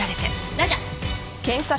ラジャー！